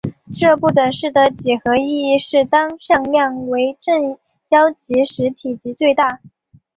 这不等式的几何意义是当向量为正交集时体积最大。